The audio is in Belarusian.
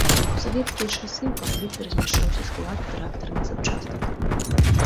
У савецкія часы ў капліцы размяшчаўся склад трактарных запчастак.